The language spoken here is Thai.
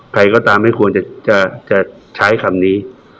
ใครก็ตามไม่ควรจะใช้คำนี้